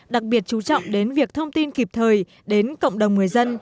đặc biệt chú trọng đến việc thông tin kịp thời đến cộng đồng người dân